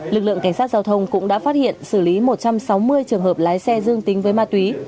lực lượng cảnh sát giao thông cũng đã phát hiện xử lý một trăm sáu mươi trường hợp lái xe dương tính với ma túy